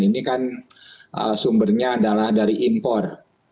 ini kan sumbernya adalah dari impor